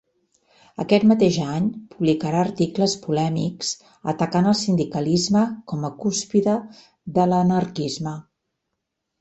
Aquest mateix any, publicarà articles polèmics atacant el sindicalisme com a cúspide de l'anarquisme.